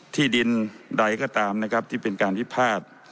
ที่ดินใดก็ตามนะครับที่เป็นการวิพาท